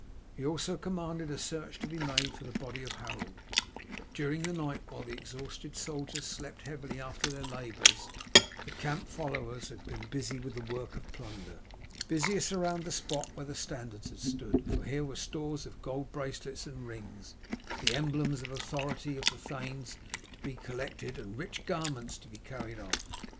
He also commanded a search to be made for the body of Harold, but during the night, while the exhausted soldiers slept heavily after their labours, the camp followers had been busy with the work of plunder, busiest round the spot where the standards had stood, for here were stores of gold bracelets and rings, the emblems of authority of the thanes, to be collected, and rich garments to be carried off.